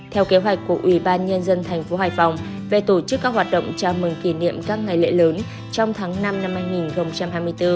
theo kế hoạch của ủy ban nhân dân thành phố hải phòng về tổ chức các hoạt động chào mừng kỷ niệm các ngày lễ lớn trong tháng năm năm hai nghìn hai mươi bốn